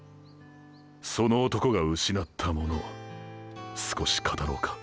その男が失ったもの少し語ろうか。